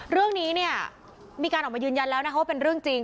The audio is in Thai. เรื่องนี้เนี่ยมีการออกมายืนยันแล้วนะคะว่าเป็นเรื่องจริง